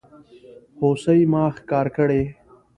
هوسۍ ما ښکار کړي